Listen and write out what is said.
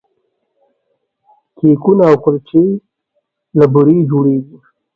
کیکونه او کلچې له بوري جوړیږي.